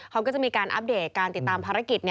เขาก็จะมีการอัปเดตการติดตามภารกิจ